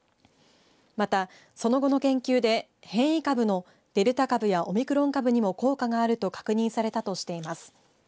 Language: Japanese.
また、その後の研究で変異株のデルタ株やオミクロン株にも効果があると確認されたとしています。